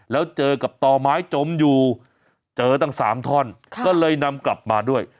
แล้วเจอกับต่อไม้จมอยู่เจอตั้ง๓ท่อนก็เลยนำกลับมาด้วย